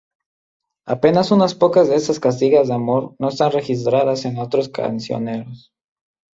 Apenas unas pocas de estas cantigas de amor no están registradas en otros cancioneros.